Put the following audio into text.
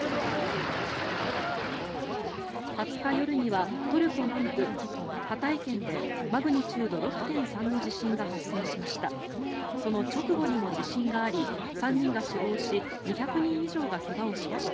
２０日夜にはトルコ南部ハタイ県でマグニチュード６．３の地震が発生しました。